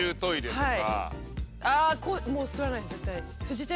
はい。